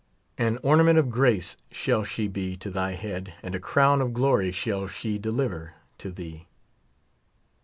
An ornament of grace shall she be to thy 81 head, and a crown of glory shall she deliver to thee.